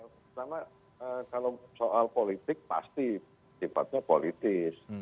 pertama kalau soal politik pasti sifatnya politis